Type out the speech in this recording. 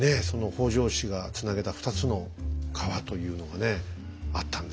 北条氏がつなげた２つの川というのがねあったんですね。